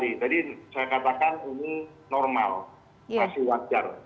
jadi saya katakan ini normal masih wajar